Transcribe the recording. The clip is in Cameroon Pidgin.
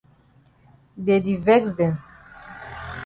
Dey di vex dem.